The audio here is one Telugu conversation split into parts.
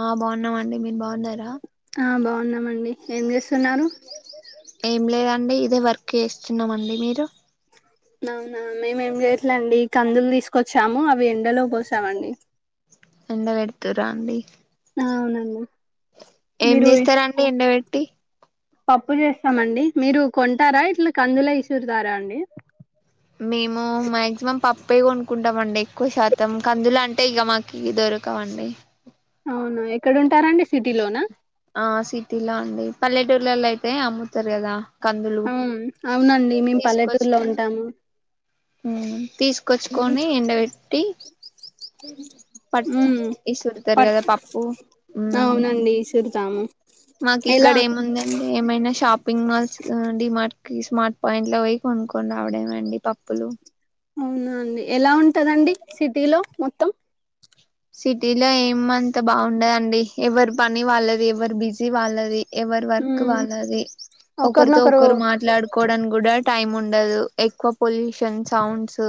ఆ బాగునన్నాం అండి మీరు బాగున్నారా న్నామండి ఏం చేస్తున్నారు ఏం లేదండి ఇదే వర్క్ చేస్తున్నామండి మీరు అవునా మేమేం చేయట్లే అండి కందులు తీసుకొచ్చాము అవి ఎండలో పోసామండి ఎండ పెడుతురా అండి అవునండి ఏం మీరు చేస్తారండి ఎండ పెట్ టి పప్పు చేస్తామండి మీరు కొంటారా ఇట్లా కందుల ఇసురుతారా అండి మేము మాక్సిమం పప్పే కొనుకుంటాం అండి ఎక్కువ శాతం కందులు అంటే ఇగా మాకి దొరక వండి అవునా ఎక్కడుంటారండి సిటీలోనా ఆ సిటీలో అండి పల్లెటూర్లలో అయితే అమ్ముతారు గదా ఆ అవునండి మేము పల్లెటూరులో తీసుకొచ్చుకొని ఉంటాము ఉమ్ తీసుకొచ్చుకొని ఎండబెట్టి పట్ మ్మ్ ఇసురుతారు పట్ కదా పప్పు ఉమ్ అవునండి ఇసురుతాము మాకు ఎలా ఇక్కడ ఏముందండి ఏమైనా షాపింగ్ మాల్స్ లో డిమార్ట్ కి స్మార్ట్ పాయింట్ ల పోయి కొనుక్కొని రావడమె అండి పప్పులు అవునా అండి ఎలా ఉంటదండి సిటీలో మొత్తం సిటీలో ఏమంత బాగుండదండి ఎవరు పని వాళ్ళది ఎవరు బిజీ వాళ్ళది ఎవరి వర్క్ మ్మ్ వాళ్ళది ఒకరితో ఒకరినొకరు ఒకరు మాట్లాడుకోవడం గుడా టైమ్ ఉండదు ఎక్కువ పొల్యూషన్ సౌండ్స్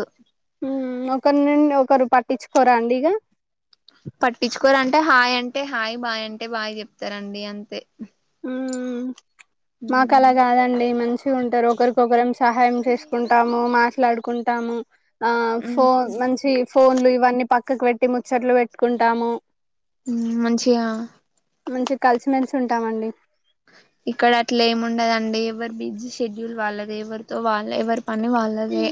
ఉమ్ ఒకరి నుండి ఒకరు పట్టించుకోరా అండి ఇక కోర అంటే హాయ్ అంటే హాయ్ బాయ్ అంటే బాయ్ చెప్తారండి అంతే ఉమ్ మాకు అలా కాదండి మంచిగా ఉంటారు ఒకరికొకరం సహాయం చేసుకుంటాము మాట్లాడుకుంటాము ఆ ఫోన్ మంచి ఫోన్లు ఇవన్నీ పక్కకు పెట్టి ముచ్చట్లు వెట్టుకుంటాము ఉమ్ మంచిగా మంచి కలిసిమెలిసి ఉంటామండి ఇక్కడ అట్ల ఏమి ఉండదండి ఎవరి బిజీ షెడ్యూల్ వాళ్ళదే ఎవరితో వాళ్లే ఎవరి పని వాళ్ళదే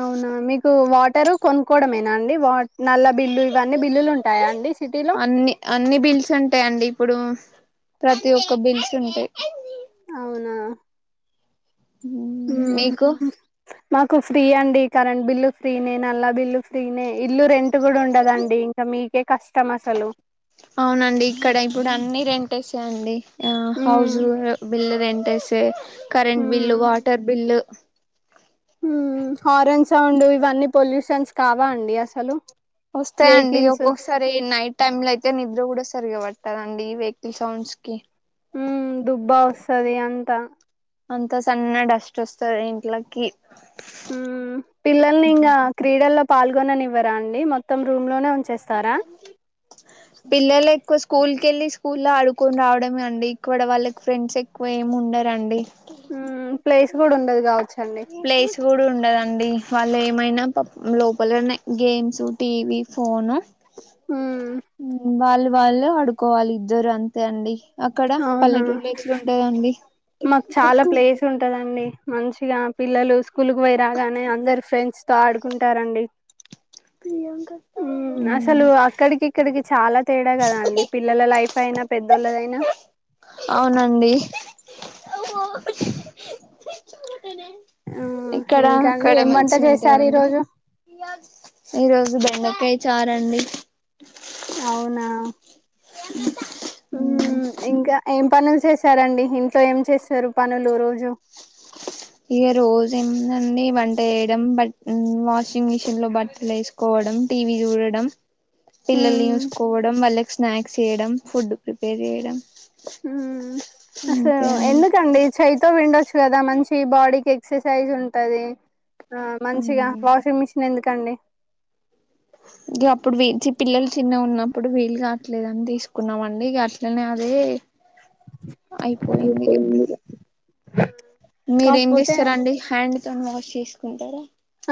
అవునా మీకు వాటరు కొనుక్కోవడమేనా అండి వా నల్ల బిల్లు ఇవన్నీ బిల్లులు ఉంటాయా అండి సిటీలో అన్ని అన్ని బిల్స్ ఉంటాయండి ఇప్పుడు ప్రతి ఒక్క బిల్స్ ఉంటాయి అవునా ఉమ్ మ్మ్ మీకు మాకు ఫ్రీ అండి కరెంట్ బిల్లు ఫ్రీనే నల్లా బిల్లు ఫ్రీనే ఇల్లు రెంట్ కూడా ఉండదండి ఇంకా మీకే కష్టం అసలు సే అండి ఆ మ్మ్ house bill rent current bill water bill హ్మ్ హారన్ సౌండ్ ఇవన్నీ పొల్యూషన్స్ కావా అండి అసలు వొస్తాయ్ అండి వెహికల్స్ ఒక్కొకసారి ఈ నైట్ టైమ్ ల అయితే నిద్ర కూడా సరిగావట్ దండి వెహికల్ సౌండ్స్ కి ఉమ్ దుబ్బా వస్తది అంతా అంత సన్న డస్ట్ వొస్తది ఇంట్లకి హ్మ్ పిల్లల్ని ఇంగ క్రీడల్లో పాల్గొననివ్వరా అండి మొత్తం రూమ్ లోనే ఉ పిల్లలు ఎక్కువ స్క్ స్కూల్కి ఎళ్ళి స్కూల్ల్లో ఆడుకొని రావడమే అండి ఇక్కడ వాళ్ళకి ఫ్రెండ్స్ ఎక్కువ ఏమి ఉండరండి మ్మ్ ప్లేస్ కూడా ఉండదు కావచ్చండి ప్లేస్ గూడ ఉండదండి వాళ్ళు ఏమైనా పప్ లోపలున్నాయ్ గేమ్స్ టీవీ ఫోను మ్మ్ వాల్ వాల్ ఆడుకోవాలి ఇద్దరు అంత్ తే అండి అక్కడ పల్లెటూళ్లో ఎట్లు ఉంటదండి మాక్ చాలా ప్లేస్ ఉంటదండి మంచిగా పిల్లలు స్కూల్ కు పోయి రాగానే అందరు ఫ్రెండ్స్ తో ఆడుకుంటారండి హ్మ్ అసలు అక్కడికి ఇక్కడికి చాలా తేడా గదా అండి పిల్లల లైఫ్ అయినా పెద్దోళ్ళదైనా అవునండి ఆ ఇక్కడ ఇంకా అండి అక్కడ ఏం వంట మంచిగ్ చేశారు ఉంటందండి ఈరోజు ఈ రోజు బె డకాయ చారండి అవునా ఇంకా ఏం పనులు చేశారండి ఇంట్లో ఏం చేస్తారు పనులు రోజు ఇగ రోజు ఏముందండి వంట చేయడం బట్ వాషింగ్ మిషిన్ లో బట్టలు వేసుకోవడ్ డం టీవి చూడడం పిల్లల్ని మ్మ్ చూసుకోవడం వాళ్లకి స్నాక్స్ చేయడం ఫుడ్ ప్రిపేర్ చేయడం ఉమ్ అంతే అండి ఎందుకండి చైతో విండోచ్చు కదా మంచిగా బాడీకి ఎక్సర్సైజ్ ఉంటంది మంచిగా వాషింగ్ మిషన్ ఎందుకు కండి ఇగ అప్పుడు వీ చి పిల్లలు చిన్నగ ఉన్నప్పుడు వీలు కావట్లేదని తీసుకున్నామండి ఇగ అట్లనే అదే అయిపోయిందిగ మీర్ ఏం కాకపోతే చెస్తార్ అండి హ్యాండ్ తో ని వాష్ చేసుకుంటారా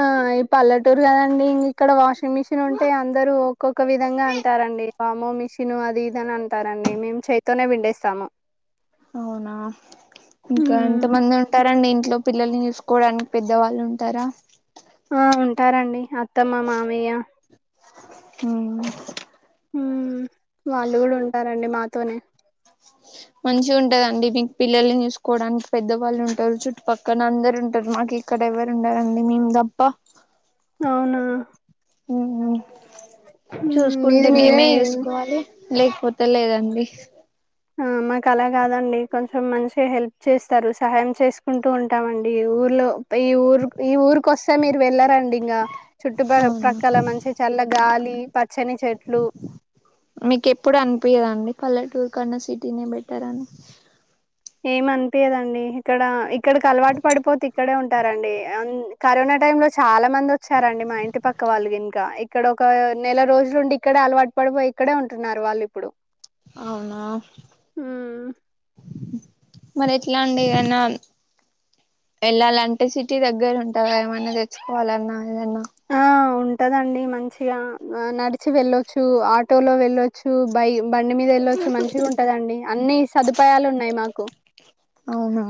ఆ ఈ పల్లెటూరు కదండి ఇం ఇక్కడ వాషింగ్ మిషిన్ ఉంటే అందరూ ఒక్కొక్క విధంగా అంటారండి వామ్మో మిషను అది ఇదని అంటారండి మేము చేతోనే పిండేస్తాము అవునా ఇంకా మ్మ్ ఎంత మంది ఉంటారండి ఇంట్లో పిల్లల్ని చూసుకోవడానికి పెద్దవాళ్ళు ఉంటార ఆ ఉంటారండి మా అత్తమ్మ మావయ్య హుమ్ ఉహ్మ్ వాళ్ళు గూడ ఉంటారండి మాతోనే మంచిగా ఉంటదండి మీక్ పిల్లల్ని చూసుకోవడానికి పెద్దవాళ్ళు ఉంటారు చుట్టుపక్కన అందరు ఉంటారు మాకు ఇక్కడ డ ఎవరు ఉండరండి మేము దప్ప అవునా మ్మ్ మీది చూసుకుంటే మీరే మేమే చూసుకోవాలి లేకపోతే లే అండి ఆ మాకు అలా గదండి కొంచెం మంచిగా హెల్ప్ చేస్తారు సహాయం చేసుకుంటూ ఉంటామండి ఇ ఊరు ర్లో పె ఈ ఊరిక్ ఈ ఊరికి వొస్తే మీరు వెళ్ళారండి డి ఇంగ చుట్టు ప అవునా ప్రక్కల మంచి చల్ల గాలి పచ్చని చెట్లు మీకు ఎప్పుడు అనిపియ్యద అండి పల్లెటూర్ కన్నా సిటీనే బెట్టర్ అని ఎం అనిపియదు అండి ఇక్కడ ఇక్కడ కి అలవాటు పడిపోతే ఇక్కడే ఉంటారండి అన్ కరోనా టైం లో చాలా మంది ఓచ్చారండి మా ఇంటి పక్క వాళ్ళు ఇంకా ఇక్కడ ఒక నెల రోజులుండి ఇక్కడే అలవాటు ప ఇగో ఇక్కడే ఉంటున్నారు వాళ్ళు ఇప్పుడు అవ్న హ్మ్. మరి ఎట్లాండి ఏమన వెళ్ళాలంటే సిటీ దగ్గరుంటందా ఏమన్నా తెచ్చుకోవాలన్నా ఏదన్నా ఆ ఉంటదండి మంచిగా నడిచి వెళ్ళొచ్చు ఆటోలో వెళ్ళొచ్చు బైక్ బండి మీద వేళ్ళచ్చు మంచిగా ఉంటదండి అన్ని సదుపాయాలున్నాయి మాకు అవునా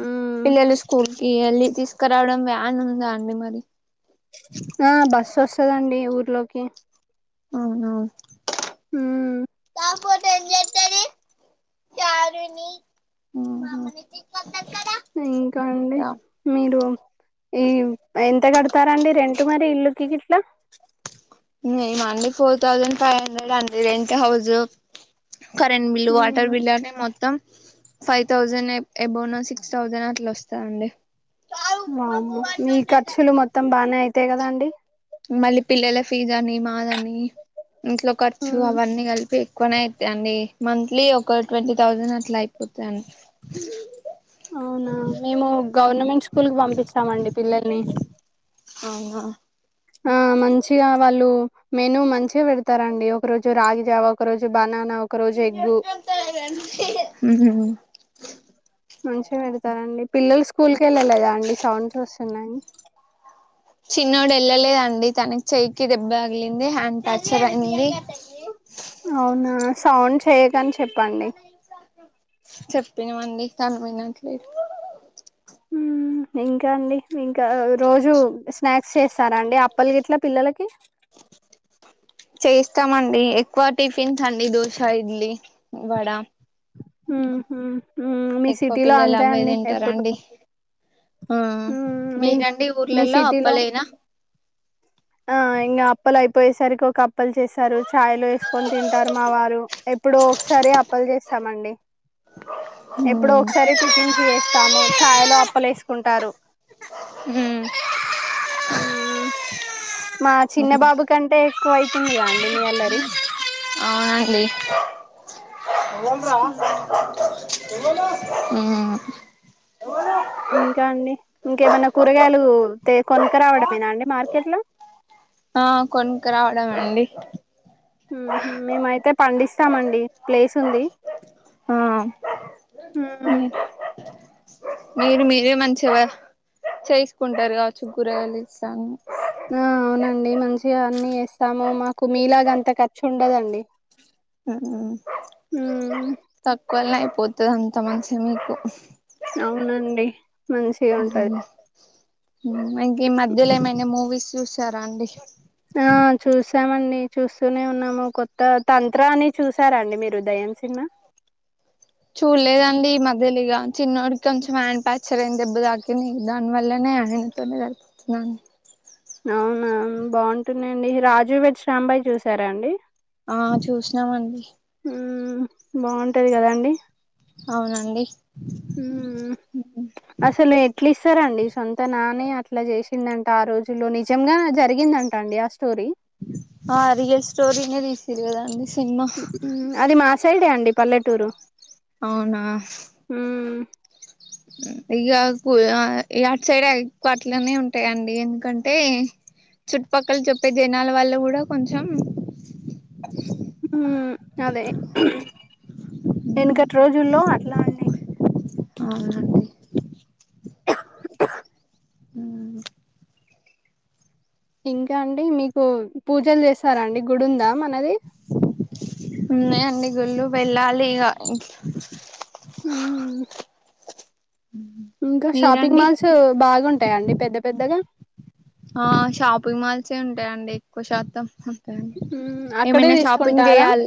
మ్మ్ పిల్లలు స్కూల్ కి వెళ్ళి తీసుకురావడం వ్యాన్ ఉందా అండి మరి ఆ బస్సు ఓస్తదండి ఊర్లోకి అవునా హుమ్ [unintelligible] ఇంకా అండి మీరు ఈ ఎంత కడతారండి రెంటు మరి ఇల్లుకి గిట్లా మేం ఆ అండి ఫోర్ థౌజండ్ ఫైవ్ హండ్రెడ్ అండి రెంట్ హౌస్ కరెంట్ బిల్లు ఉమ్ వాటర్ బిల్లు అని మొత్తం ఫైవ్ థౌజండ్ ఎబోనో సిక్స్ థౌజండ్ అట్లా ఓస్తందండి వామో మీ ఖర్చులు మొత్తం బాగానే అయితాయి కదాండి మళ్ళీ పిల్లల ఫీజ్ అని మాదని ఇంట్లో ఖర్చు ఉమ్ అవన్నీ కలిపి ఎక్కువనైతయండి మంత్లీ ఒక ట్వంటీ థౌసండ్ అట్లా అయిపో తను అవునా మేము గవర్నమెంట్ స్కూల్ కి పంపిస్తామండి పిల్లల్ని అవునా ఆ మంచిగా వాళ్ళు మెను మంచిగా పెడతారండి ఒక రోజు రాగిజావ ఒక రోజు బనానా ఒక రోజు ఎగ్గు ఉహ్మ్ మంచిగా పెడతారండి పిల్లలు స్కూల్కేళ్ళలేదా అండి సౌండ్స్ వస్తున్నాయి చిన్నోడు వెళ్ళలేదండి తనకి చెయీకి దెబ్బ తగిలింది హ్యాండ్ ఫాక్చర్ అయింది అవునా సౌండ్ చేయ్కానీ చెప్పినమండి తనువినట్లేదు ఉహ్ ఇంకా అండి ఇంకా రోజు స్నాక్స్ చేస్త స్తారండి అప్పల్ గిట్లా పిల్లలకి చేస్తామండి ఎక్కువ టిఫిన్స్ అండి దోశ ఇడ్లీ వడ హుంహుహుం మీ ఎక్కువ సిటీలో పిల్లలు అంతే అవే అండి ఎప్పుడు తింటారండి ఆ మ్మ్ మీ మీరండి మీ ఊర్లలో సిటీలో అప్పలేనా ఆ ఇంగ అప్పల ఇ పోయేసరికి ఒక అప్పల్ చేస్తారు చాయలో వేసుకొని తింటారు మా వారు ఎప్పుడు ఒక్సారె అప్పల్ చేస్తా మండి ఉ ఎప్పుడోకసారి టిఫిన్స చెస్తాము చాయలో అప్పలేస్ కుంటారు హు మ్మ్ మా చిన్న బాబు కంటే ఎక్కువ అయితుందండి మీ అల్లరి అవునండి మ్మ్ ఉమ్ ఇంకా అండి ఇంకేమన్నా కూరగాయలు తె కొనాకా రావడమేనా అండి మార్కెట్ లో ఆ కొనక రావడమేయండి ఉహ్ మేమైతే పండిస్తామండి ప్లేస్ ఉంది ఆ ఉహ్ మీరు మీరే మంచిగా చేసుకుంటారుకావచ్చు కూరగయలు ఇస్తాను ఆ అవునండి మంచిగా అన్ని వేస్తాము మాకు మీలాగ అంత ఖర్చుండదండి. తక్కువల్నే అయిపోతది అంత మంచి మీకు. అవునండి మంచిగా ఉంటది ఇంకీ మధ్యల ఏమైనా మూవీస్ చూసారా అండి ఆహ్ చూసామండి చూస్తూనే ఉన్నాము కొత్త తంత్రాన్ని చూసారండి మీరు దయ్యం. ఏ సిన్మా. చూడలేదండీ మధ్యలిగా చిన్నోడికి కొంచెం హ్యాండ్ ప్యాక్చరైంది దెబ్బతాకింది దానివల్లనే. ఆయనతోనే వచ్నాను. అవును మేం బాంటుందండీ రాజు వెడ్స్ రాంబాయి చూసారాండి. ఆహ్ చూస్నామండి. ఉమ్ బాగుంటది కదాండి. అవునండి. ఉమ్ అసలు ఎట్లా ఇస్తరండి. సొంత నానే అట్లా చేసిండంటా ఆ రోజుల్లో నిజంగా జరిగిందంట అండి ఆ స్టోరీ. ఆహ్ రియల్ స్టోరి నే తీసింరు కదాండి. అది మా సైడే అండి పల్లెటూరు. అవునా. హ్మ్ ఉమ్మ్. ఇగ కుల్ ఆహ్ ఏ అట్ సైడూ ఎక్వ అట్లనే ఉంటాయండి ఎందుకంటే. చుట్టుపక్కల చెప్పే జనాల వల్ల కూడా కొంచెం. ఉమ్ అదే వెనుకట్రోజుల్లో అట్లానే. అవునాండి. ఇంకా అండి మీకు పూజలు చేస్తారా అండి గుడుందా మనది. ఉన్నాయండి గుళ్ళు వెళ్ళాలి ఇగ. ఊహు. ఇంకా షాపింగ్ మీరండి మాల్స్ బాగుంటాయాండి పెద్ద పెద్దగా. ఆహ్ షాపింగ్ మాల్సే ఉంటాయండి ఎక్కువ శాతం. మ్మ్. అక్కడే ఏమైనా షాపింగ్ తీసుకుంటారా చేయాల్.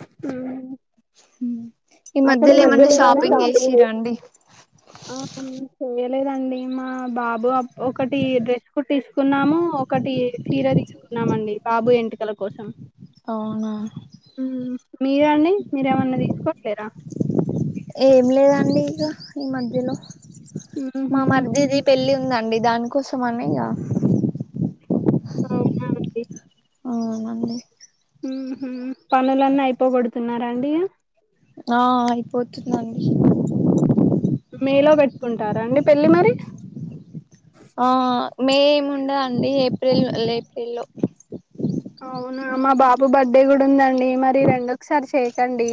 ఆహ్ ఉమ్మ్మ్. సరే. ఆహ్ అసలు [unintelligible] షాపింగ్ చేస్ లేదండి మా బాబు అపు ఒకటి డ్రెస్ కుట్టించుకున్నాము ఒకటి. చీర తీసుకున్నామండి బాబు ఎంటికల కోసం. అవునా ఉమ్ మీరండి మీరేమన్నా తీసుకోవట్లేద. ఏం లేదండి ఇగ ఈ మధ్యలో మా మ్మ్హ్మ్. మర్దిది పెళ్లి ఉందండి. మీ దానికోసమా అండి ఇగా. అవునాండి. అవునండి. ఉహు పనులన్నీ అయిపోగొడుతున్నార ఇంకా. ఆ అయిపోతుందండి. మేలో పెట్టుకుంటారా అండి పెళ్ళి మరి. ఆహ్ మే ఏముండదండి ఏప్రిల్ ఏప్రిల్ లో. అవునా మా బాబు బర్త్డేగూడుందం. డి మరి రెండు ఒకసారి చేయకండి.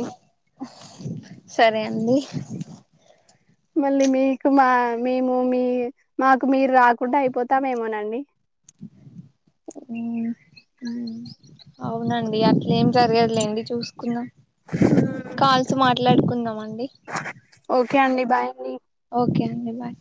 సరే అండి మళ్ళీ మీకు మా మేము మీ మాకు మీరు రా. కుండా అయిపోతామేమోనండి. అవునండి అట్ల ఏం జరగదులేండి చూసుకుందాం. కాల్సు మాట్లాడుకుందాం అండి ఓకే అండి బాయ్ అండీ ఓకే అండి బాయ్